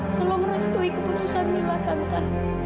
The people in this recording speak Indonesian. tolong restui keputusan mila tante